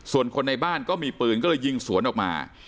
ส่วนคนในบ้านก็มีปืนก็เลยยิงสวนออกมา